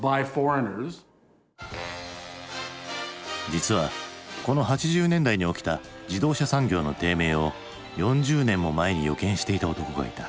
実はこの８０年代に起きた自動車産業の低迷を４０年も前に予見していた男がいた。